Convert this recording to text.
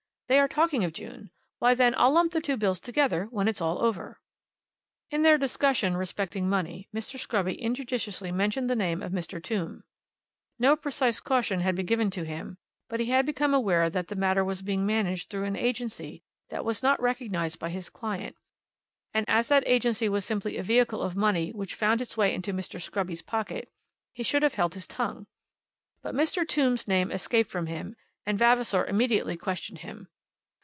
"They are talking of June. Why, then, I'll lump the two bills together when it's all over." In their discussion respecting money Mr. Scruby injudiciously mentioned the name of Mr. Tombe. No precise caution had been given to him, but he had become aware that the matter was being managed through an agency that was not recognized by his client; and as that agency was simply a vehicle of money which found its way into Mr. Scruby's pocket, he should have held his tongue. But Mr. Tombe's name escaped from him, and Vavasor immediately questioned him.